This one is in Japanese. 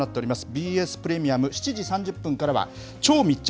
ＢＳプレミアム７時３０分からは、超密着！